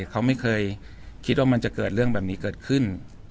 เขาไม่เคยคิดว่ามันจะเกิดเรื่องแบบนี้เกิดขึ้น